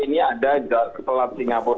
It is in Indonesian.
ini ada telat singapura